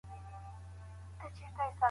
ارثي دلايل ولي رد سول؟